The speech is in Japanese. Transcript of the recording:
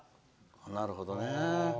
なるほどね。